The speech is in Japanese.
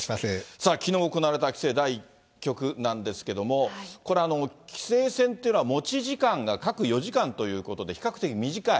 さあ、きのう行われた棋聖第１局なんですけれども、これ、棋聖戦というのは、持ち時間が各４時間ということで、比較的短い。